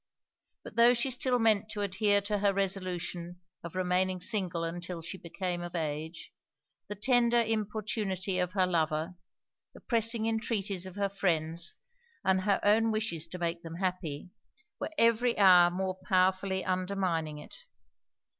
But tho' she still meant to adhere to her resolution of remaining single until she became of age, the tender importunity of her lover, the pressing entreaties of her friends, and her own wishes to make them happy, were every hour more powerfully undermining it.